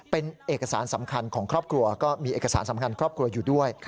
เป็นเอกสารสำคัญของครอบครัวก็มีเอกสารสำคัญครอบครัวอยู่ด้วย